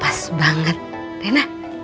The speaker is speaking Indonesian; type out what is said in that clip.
pas banget rena